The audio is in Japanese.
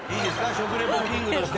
食レポキングとして。